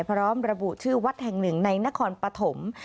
พร้อมระบุชื่อวัดแห่งหนึ่งในนครปฐม